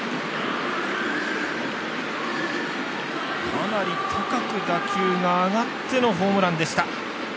かなり高く打球が上がってのホームランでした。